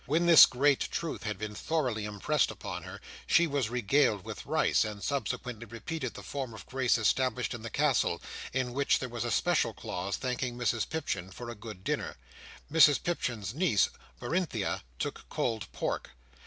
When this great truth had been thoroughly impressed upon her, she was regaled with rice; and subsequently repeated the form of grace established in the Castle, in which there was a special clause, thanking Mrs Pipchin for a good dinner. Mrs Pipchin's niece, Berinthia, took cold pork.